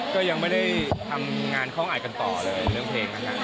ก็ยังไม่ได้ทำงานข้องอายกันต่อเลยเรื่องเพลงนั้น